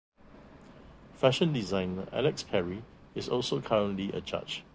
Fashion designer Alex Perry is also currently a judge.